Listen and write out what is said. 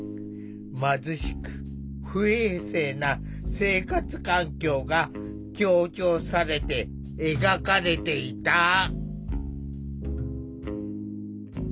貧しく不衛生な生活環境が強調されて描かれていた。